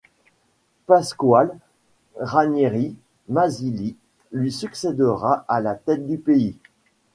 Pascoal Ranieri Mazzilli lui succèdera à la tête du pays.